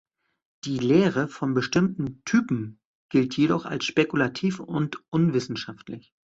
Die Lehre von bestimmten „Typen“ gilt jedoch als spekulativ und unwissenschaftlich.